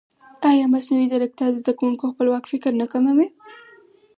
ایا مصنوعي ځیرکتیا د زده کوونکي خپلواک فکر نه کموي؟